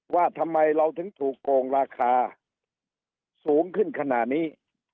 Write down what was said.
ว่าทำไมเราถึงถูกโกงราคาสูงขึ้นขนาดนี้